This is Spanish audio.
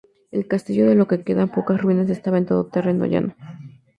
El castillo, del que quedan pocas ruinas, estaba en terreno llano.